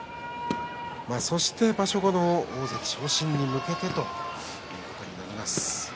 そして場所後の大関昇進に向けてということになります。